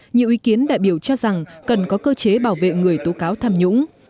nhiều ý kiến đại biểu cho rằng cần có cơ chế bảo vệ người tố cáo tham nhũng